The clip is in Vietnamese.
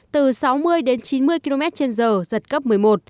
từ sáu mươi đến chín mươi km trên giờ giật cấp một mươi một